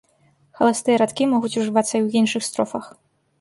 Халастыя радкі могуць ужывацца і ў іншых строфах.